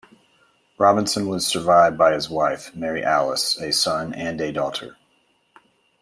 Robinson was survived by his wife, Mary Alice, a son and a daughter.